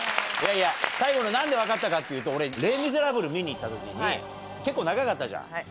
最後の何で分かったかっていうと俺『レ・ミゼラブル』見に行った時に結構長かったじゃん。